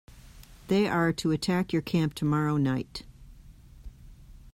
They are to attack your camp tomorrow night.